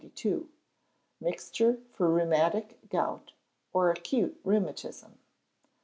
Mixture for Rheumatic Gout or Acute Rheumatism.